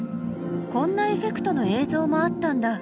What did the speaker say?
こんなエフェクトの映像もあったんだ。